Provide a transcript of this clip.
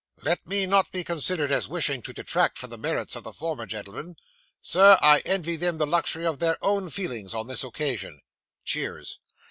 Let me not be considered as wishing to detract from the merits of the former gentlemen. Sir, I envy them the luxury of their own feelings on this occasion. (Cheers.)